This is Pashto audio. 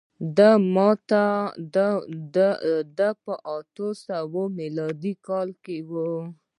دا په اته سوه میلادي کال کي و.